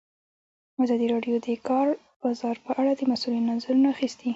ازادي راډیو د د کار بازار په اړه د مسؤلینو نظرونه اخیستي.